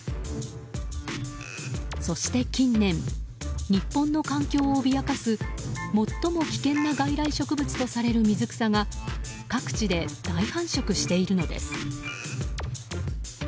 そして近年、日本の環境を脅かす最も危険な外来植物とされる水草が各地で大繁殖しているのです。